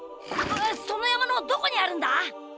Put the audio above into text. そのやまのどこにあるんだ？